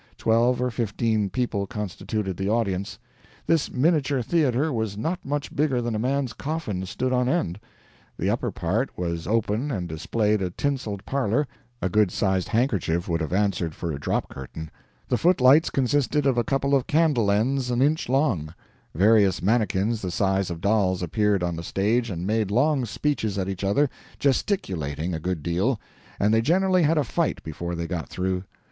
Twelve or fifteen people constituted the audience. This miniature theater was not much bigger than a man's coffin stood on end; the upper part was open and displayed a tinseled parlor a good sized handkerchief would have answered for a drop curtain; the footlights consisted of a couple of candle ends an inch long; various manikins the size of dolls appeared on the stage and made long speeches at each other, gesticulating a good deal, and they generally had a fight before they got through.